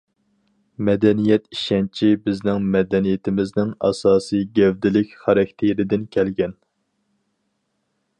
مەدەنىيەت ئىشەنچى بىزنىڭ مەدەنىيىتىمىزنىڭ ئاساسىي گەۋدىلىك خاراكتېرىدىن كەلگەن.